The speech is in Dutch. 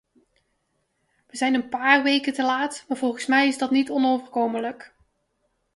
We zijn een paar weken te laat, maar volgens mij is dat niet onoverkomelijk.